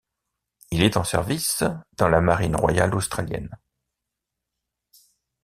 Il est en service dans la marine royale australienne.